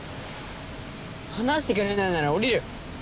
話してくれないなら降りる。